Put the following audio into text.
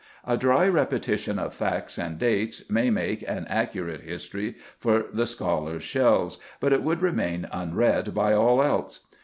A dry repetition of facts and dates may make an accurate history for the scholar's shelves, but it would remain unread by all else.